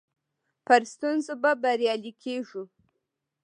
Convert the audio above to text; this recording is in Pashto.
پر ستونزو به بريالي کيږو.